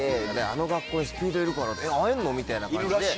あの学校にＳＰＥＥＤいるからえっ会えんの？みたいな感じで。